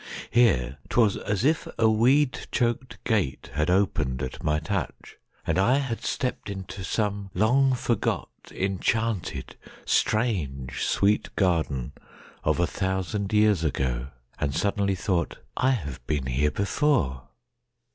Here 'twas as if a weed choked gateHad opened at my touch, and I had steppedInto some long forgot, enchanted, strange, Sweet garden of a thousand years agoAnd suddenly thought, "I have been here before!"